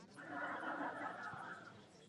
En ella obtuvo su bachillerato.